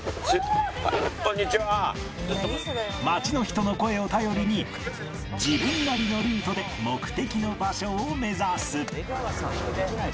街の人の声を頼りに自分なりのルートで目的の場所を目指す